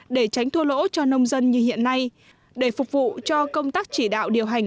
để tránh thua lỗ cho nông dân như hiện nay để phục vụ cho công tác chỉ đạo điều hành